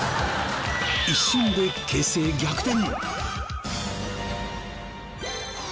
一瞬で形勢逆転！